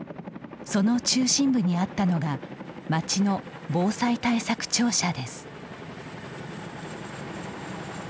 その中心部にあったのが町の防災対策庁舎です。